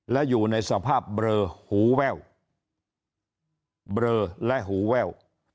และอยู่ในสภาพเบลอหูแว่วเบลอและหูแว่ว